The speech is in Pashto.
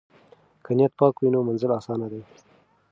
که نیت پاک وي نو منزل اسانه دی.